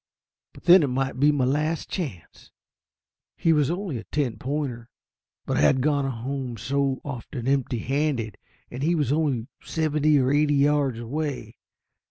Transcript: But then it might be my last chance. He was only a ten pointer. But I had gone home so often empty handed, and he was only seventy or eighty yards away.